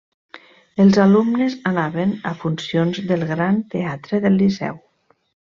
Els alumnes anaven a funcions del Gran Teatre del Liceu.